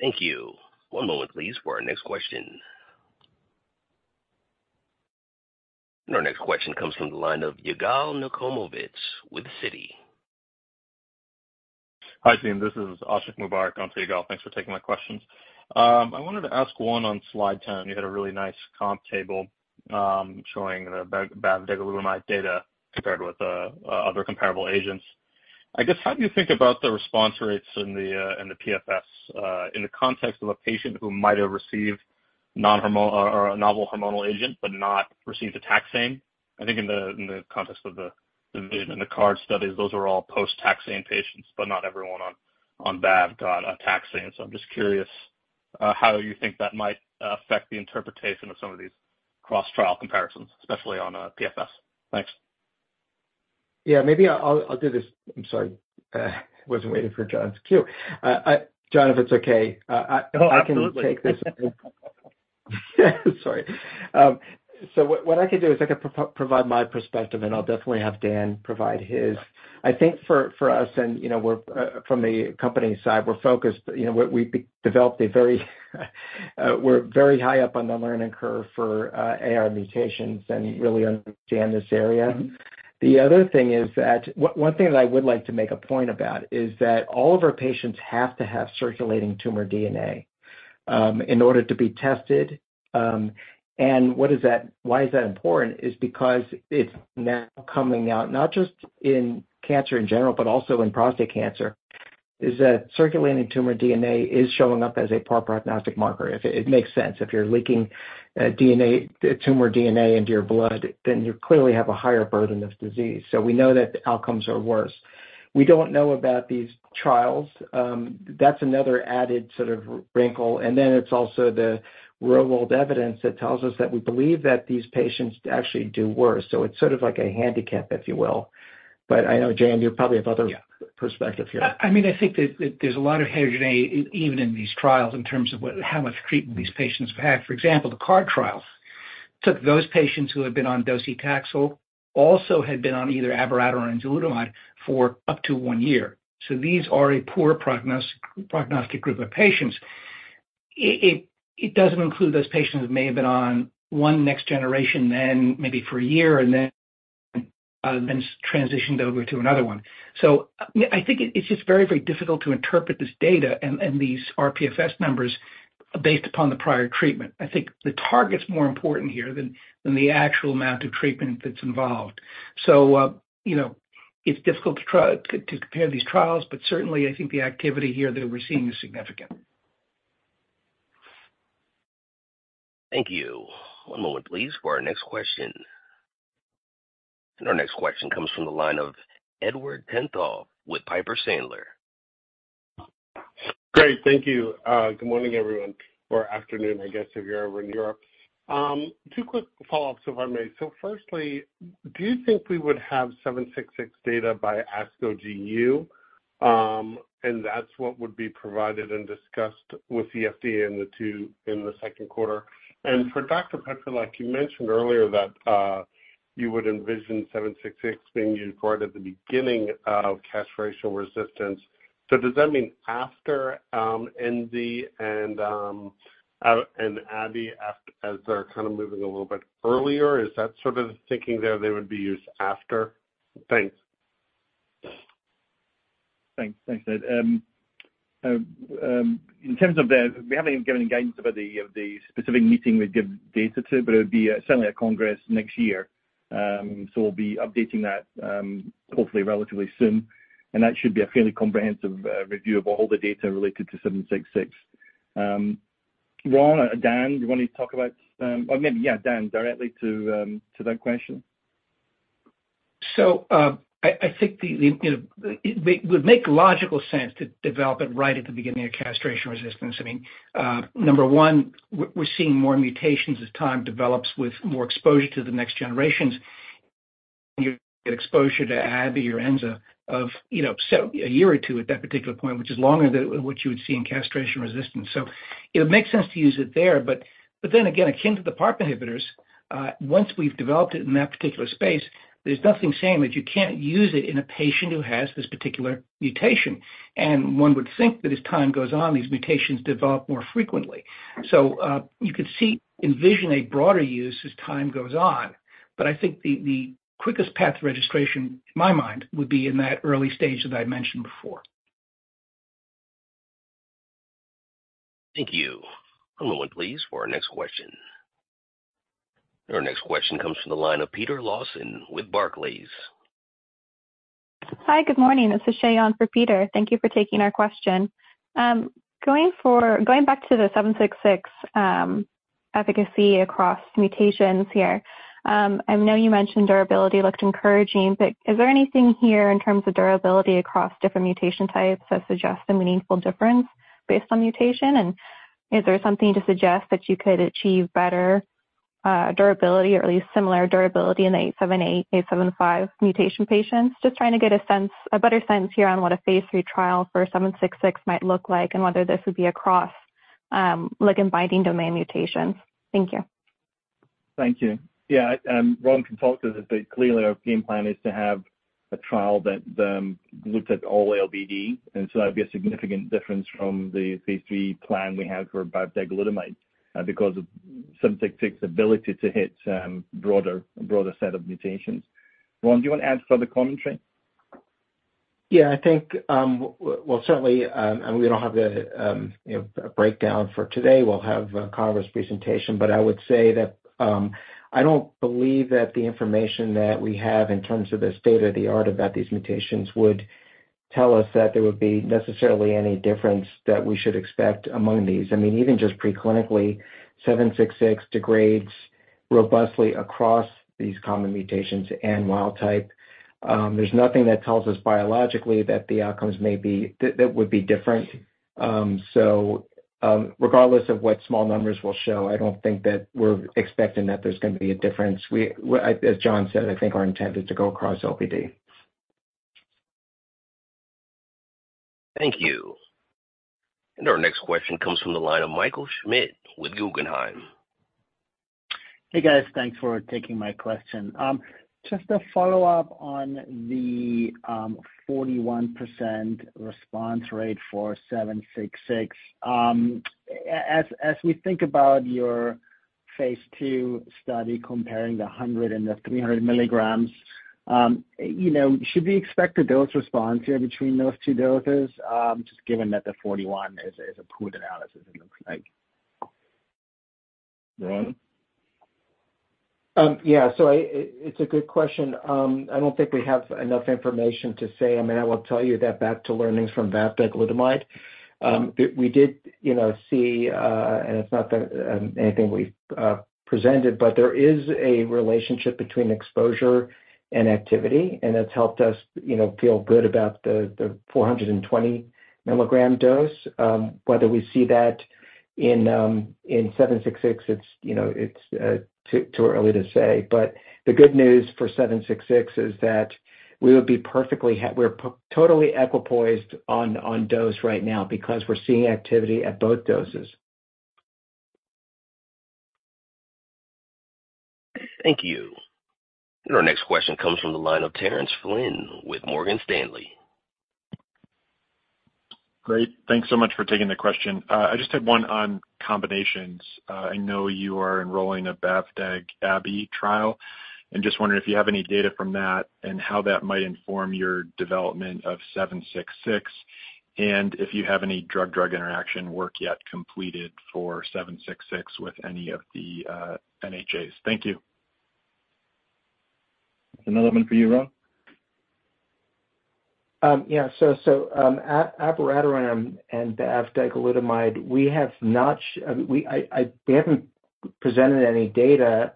Thank you. One moment, please, for our next question. Our next question comes from the line of Yigal Nochomovitz with Citi. Hi, team. This is Ashiq Mubarack, not Yigal. Thanks for taking my questions. I wanted to ask one on Slide 10. You had a really nice comp table, showing the bavdegalutamide data compared with other comparable agents. I guess, how do you think about the response rates in the PFS, in the context of a patient who might have received non-hormonal or a novel hormonal agent but not received a taxane? I think in the context of the card studies, those are all post-taxane patients, but not everyone on bav got a taxane. So I'm just curious, how you think that might affect the interpretation of some of these cross-trial comparisons, especially on PFS. Thanks. Yeah, maybe I'll, I'll do this. I'm sorry. Wasn't waiting for John's cue. I... John, if it's okay, I- Oh, absolutely. I can take this. Sorry. So what I can do is I can provide my perspective, and I'll definitely have Dan provide his. I think for us, and you know, we're from the company side, we're focused, you know, we developed a very, we're very high up on the learning curve for AR mutations and really understand this area. The other thing is that one thing that I would like to make a point about is that all of our patients have to have circulating tumor DNA in order to be tested. And what is that - why is that important, is because it's now coming out, not just in cancer in general, but also in prostate cancer, is that circulating tumor DNA is showing up as a poor prognostic marker. It makes sense. If you're leaking DNA, tumor DNA into your blood, then you clearly have a higher burden of disease. So we know that the outcomes are worse. We don't know about these trials. That's another added sort of wrinkle, and then it's also the real-world evidence that tells us that we believe that these patients actually do worse. So it's sort of like a handicap, if you will. But I know, Dan, you probably have other- Yeah perspectives here. I mean, I think that there's a lot of heterogeneity even in these trials in terms of what, how much treatment these patients have had. For example, the CARD trials took those patients who had been on docetaxel, also had been on either abiraterone and enzalutamide for up to one year. So these are a poor prognostic group of patients. It doesn't include those patients who may have been on one next generation then maybe for a year and then transitioned over to another one. So I think it's just very, very difficult to interpret this data and these rPFS numbers based upon the prior treatment. I think the target's more important here than the actual amount of treatment that's involved. So, you know, it's difficult to try to compare these trials, but certainly, I think the activity here that we're seeing is significant. Thank you. One moment please, for our next question. Our next question comes from the line of Edward Tenthoff with Piper Sandler. Great, thank you. Good morning, everyone, or afternoon, I guess, if you're over in Europe. Two quick follow-ups, if I may. So firstly, do you think we would have 766 data by ASCO GU? And that's what would be provided and discussed with the FDA and the two in the second quarter. And for Dr. Petrylak, you mentioned earlier that you would envision 766 being used right at the beginning of castration-resistance. So does that mean after Xtandi and Abi as they're kind of moving a little bit earlier? Is that sort of the thinking there, they would be used after? Thanks. Thanks. Thanks, Ed. In terms of the, we haven't given any guidance about the specific meeting we'd give data to, but it would be certainly at Congress next year. So we'll be updating that, hopefully relatively soon, and that should be a fairly comprehensive review of all the data related to 766. Ron or Dan, do you want to talk about, or maybe, yeah, Dan, directly to that question? So, I think, you know, it would make logical sense to develop it right at the beginning of castrationRECIST. I mean, number one, we're seeing more mutations as time develops with more exposure to the next generations. You get exposure to Abi or Enza of, you know, so a year or two at that particular point, which is longer than what you would see in castrationRECIST. So it makes sense to use it there, but then again, akin to the PARP inhibitors, once we've developed it in that particular space, there's nothing saying that you can't use it in a patient who has this particular mutation. And one would think that as time goes on, these mutations develop more frequently. So, you could see, envision a broader use as time goes on. I think the quickest path to registration, in my mind, would be in that early stage that I mentioned before. Thank you. One moment, please, for our next question. Our next question comes from the line of Peter Lawson with Barclays. Hi, good morning. This is Shayan for Peter. Thank you for taking our question. Going back to the 766, efficacy across mutations here. I know you mentioned durability looked encouraging, but is there anything here in terms of durability across different mutation types that suggests a meaningful difference based on mutation? And is there something to suggest that you could achieve better durability or at least similar durability in the 878, 875 mutation patients? Just trying to get a sense, a better sense here on what a phase III trial for 766 might look like, and whether this would be across ligand binding domain mutations. Thank you. Thank you. Yeah, Ron can talk to this, but clearly our game plan is to have a trial that looks at all LBD, and so that'd be a significant difference from the phase III plan we have for bavdegalutamide, because of 766 ability to hit broader, a broader set of mutations. Ron, do you want to add further commentary? Yeah, I think, well, certainly, and we don't have the, you know, a breakdown for today. We'll have a Congress presentation, but I would say that, I don't believe that the information that we have in terms of the state-of-the-art about these mutations would tell us that there would be necessarily any difference that we should expect among these. I mean, even just preclinically, 766 degrades robustly across these common mutations and wild-type. There's nothing that tells us biologically that the outcomes may be... That, that would be different. So, regardless of what small numbers will show, I don't think that we're expecting that there's going to be a difference. Well, as John said, I think our intent is to go across LBD. Thank you. Our next question comes from the line of Michael Schmidt with Guggenheim. Hey, guys. Thanks for taking my question. Just a follow-up on the 41% response rate for 766. As we think about your phase II study comparing the 100 mg and the 300 mg, you know, should we expect a dose response here between those two doses? Just given that the 41 is a pooled analysis, it looks like. Ron? Yeah, so I -- it's a good question. I don't think we have enough information to say. I mean, I will tell you that back to learnings from bavdegalutamide, we did, you know, see, and it's not that, anything we've presented, but there is a relationship between exposure and activity, and that's helped us, you know, feel good about the 420 mg dose. Whether we see that in 766, it's, you know, it's too early to say. But the good news for 766 is that we would be perfectly ha-- we're p- totally equipoised on dose right now because we're seeing activity at both doses. Thank you. And our next question comes from the line of Terence Flynn with Morgan Stanley. Great. Thanks so much for taking the question. I just had one on combinations. I know you are enrolling a bavdegalutamide Abiraterone trial, and just wondering if you have any data from that and how that might inform your development of 766, and if you have any drug-drug interaction work yet completed for 766 with any of the NHAs. Thank you.... Another one for you, Ron? Yeah. So, abiraterone and the bavdegalutamide, we haven't presented any data,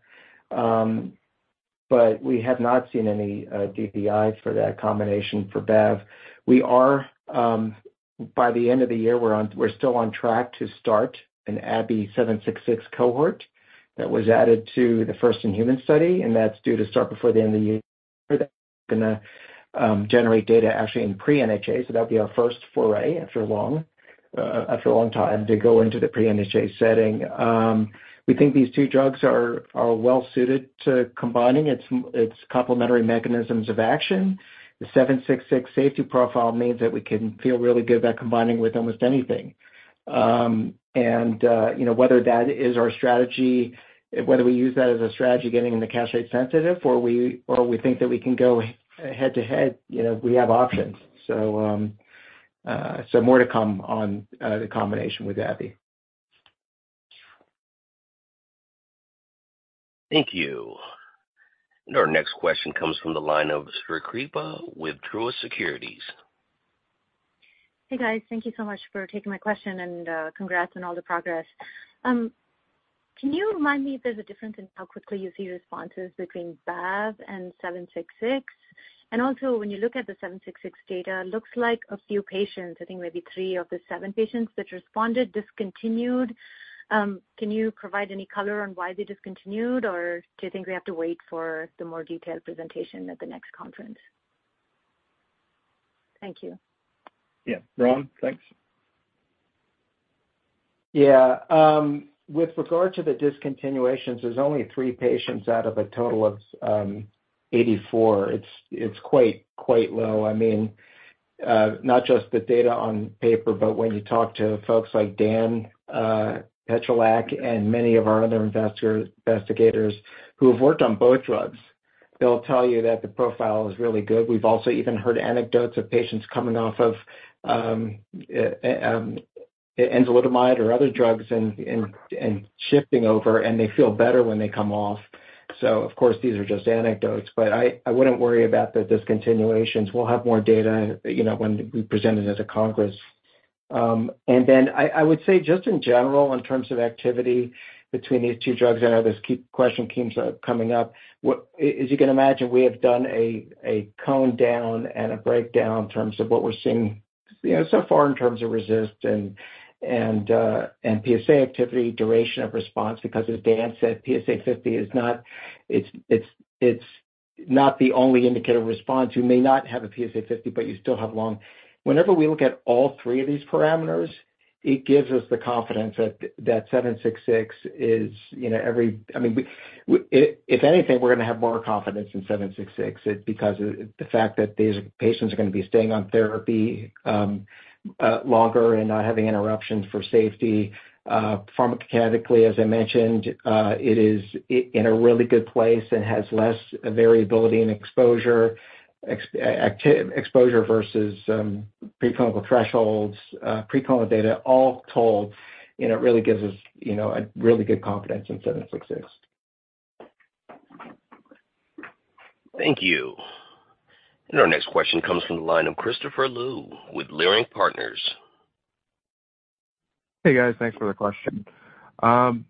but we have not seen any DDIs for that combination for bav. We are, by the end of the year, we're still on track to start an ARV-766 cohort that was added to the first in human study, and that's due to start before the end of the year. Gonna generate data actually in pre-NHA, so that'll be our first foray after a long time, to go into the pre-NHA setting. We think these two drugs are well suited to combining. It's complementary mechanisms of action. The 766 safety profile means that we can feel really good about combining with almost anything. you know, whether that is our strategy, whether we use that as a strategy, getting in the castration-sensitive, or we, or we think that we can go head-to-head, you know, we have options. So, more to come on the combination with abiraterone. Thank you. Our next question comes from the line of Srikripa with Truist Securities. Hey, guys. Thank you so much for taking my question, and congrats on all the progress. Can you remind me if there's a difference in how quickly you see responses between bav and 766? And also, when you look at the 766 data, it looks like a few patients, I think maybe three of the seven patients that responded, discontinued. Can you provide any color on why they discontinued, or do you think we have to wait for the more detailed presentation at the next conference? Thank you. Yeah. Ron, thanks. Yeah. With regard to the discontinuations, there's only three patients out of a total of 84. It's quite low. I mean, not just the data on paper, but when you talk to folks like Dan Petrylak, and many of our other investigator-investigators who have worked on both drugs, they'll tell you that the profile is really good. We've also even heard anecdotes of patients coming off of enzalutamide or other drugs and shifting over, and they feel better when they come off. So of course, these are just anecdotes, but I wouldn't worry about the discontinuations. We'll have more data, you know, when we present it as a congress. And then I would say, just in general, in terms of activity between these two drugs, I know this question keeps coming up. What As you can imagine, we have done a drill down and a breakdown in terms of what we're seeing, you know, so far in terms ofRECIST and PSA activity, duration of response, because as Dan said, PSA 50 is not... It's not the only indicator of response. You may not have a PSA 50, but you still have long. Whenever we look at all three of these parameters, it gives us the confidence that 766 is, you know, every... I mean, if anything, we're gonna have more confidence in 766, it's because of the fact that these patients are gonna be staying on therapy longer and not having interruptions for safety. Pharmacokinetically, as I mentioned, it is in a really good place and has less variability and actual exposure versus preclinical thresholds, preclinical data. All told, you know, it really gives us, you know, a really good confidence in 766. Thank you. And our next question comes from the line of Christopher Liu with Leerink Partners. Hey, guys. Thanks for the question.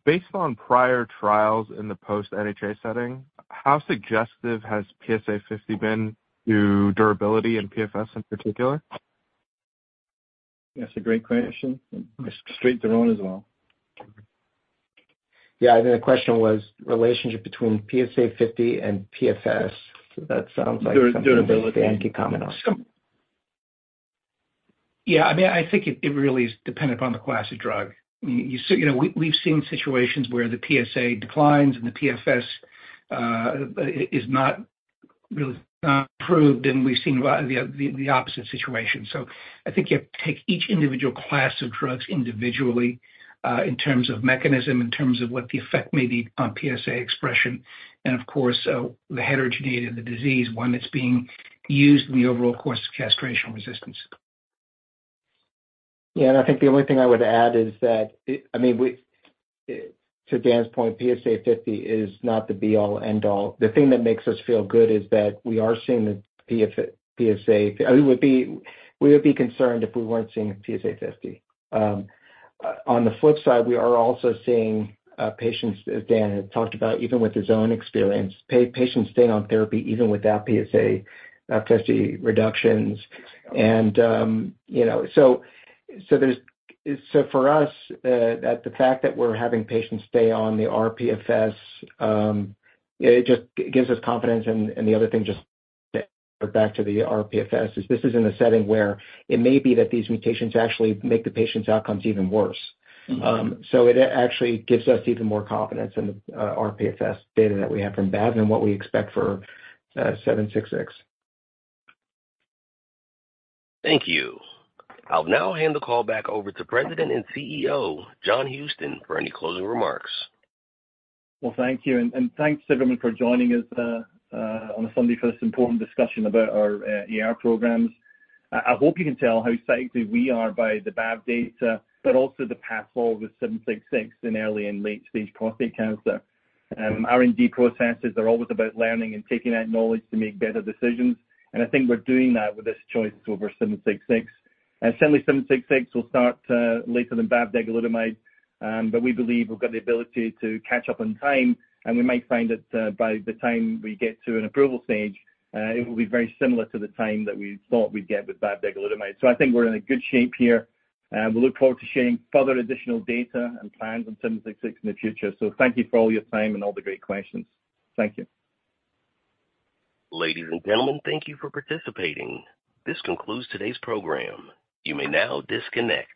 Based on prior trials in the post NHA setting, how suggestive has PSA 50 been to durability and PFS in particular? That's a great question. Straight to Ron as well. Yeah, I think the question was relationship between PSA50 and PFS. So that sounds like- Dur- durability Something Dan can comment on. Yeah, I mean, I think it really is dependent on the class of drug. You know, we've seen situations where the PSA declines, and the PFS is not really improved, and we've seen the opposite situation. So I think you have to take each individual class of drugs individually, in terms of mechanism, in terms of what the effect may be on PSA expression, and of course, the heterogeneity of the disease, one that's being used in the overall course of castrationRECIST. Yeah, and I think the only thing I would add is that, I mean, we, to Dan's point, PSA 50 is not the be all, end all. The thing that makes us feel good is that we are seeing the PSA. I mean, we'd be, we would be concerned if we weren't seeing a PSA 50. On the flip side, we are also seeing, patients, as Dan had talked about, even with his own experience, patients staying on therapy, even without PSA 50 reductions. And, you know, so, so there's. So for us, at the fact that we're having patients stay on the rPFS, it just gives us confidence. And, and the other thing, just back to the rPFS, is this is in a setting where it may be that these mutations actually make the patient's outcomes even worse. So it actually gives us even more confidence in the rPFS data that we have from bav than what we expect for 766. Thank you. I'll now hand the call back over to President and CEO, John Houston, for any closing remarks. Well, thank you. And thanks, everyone, for joining us on a Sunday for this important discussion about our AR programs. I hope you can tell how excited we are by the bav data, but also the path forward with 766 in early and late-stage prostate cancer. R&D processes are always about learning and taking that knowledge to make better decisions, and I think we're doing that with this choice over 766. And certainly, 766 will start later than bavdegalutamide, but we believe we've got the ability to catch up on time, and we might find that by the time we get to an approval stage, it will be very similar to the time that we thought we'd get with bavdegalutamide. So I think we're in a good shape here, and we look forward to sharing further additional data and plans on 766 in the future. So thank you for all your time and all the great questions. Thank you. Ladies and gentlemen, thank you for participating. This concludes today's program. You may now disconnect.